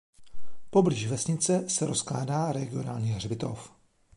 Poblíž vesnice se rozkládá regionální hřbitov.